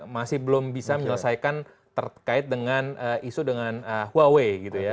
masih belum bisa menyelesaikan terkait dengan isu dengan huawei gitu ya